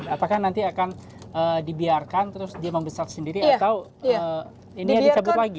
apakah nanti akan dibiarkan terus dia membesar sendiri atau ini yang dicabut lagi